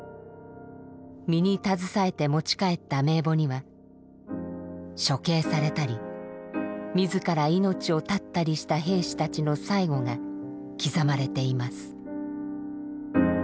身に携えて持ち帰った名簿には処刑されたり自ら命を絶ったりした兵士たちの最期が刻まれています。